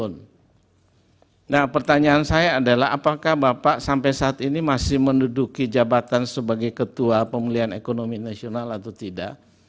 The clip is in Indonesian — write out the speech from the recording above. nah pertanyaan saya adalah apakah bapak sampai saat ini masih menduduki jabatan sebagai ketua pemulihan ekonomi nasional atau tidak